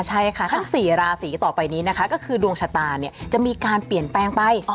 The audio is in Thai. ใช่ค่ะทั้ง๔ราศีต่อไปนี้นะคะก็คือดวงชะตาเนี่ยจะมีการเปลี่ยนแปลงไป